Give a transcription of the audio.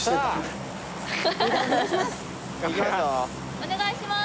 お願いします。